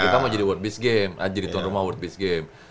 karena kita mau jadi tuan rumah world peace game